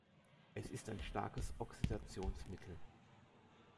Es ist ein starkes Oxidationsmittel.